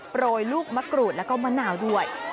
โรยลูกมะกรูดแล้วก็มะนาวด้วย